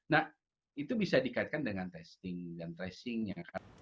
nah itu bisa dikaitkan dengan testing dan tracingnya